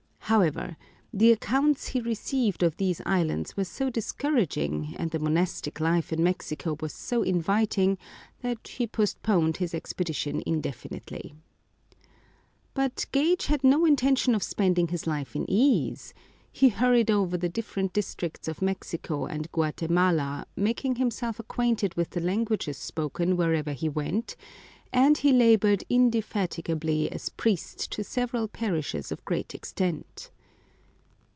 However, the accounts he received of these islands were so discouraging, and the monastic life in Mexico was so inviting, that he postponed his expedition indefinitely. But Gage had no intention of spending his life in ease : he hurried over the different districts of Mexico and Guatemala, making himself acquainted with the languages spoken wherever he went, and he laboured indefatigably as priest to several parishes of great extent.